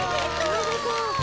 おめでとう！